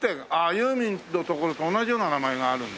ユーミンの所と同じような名前があるんだ。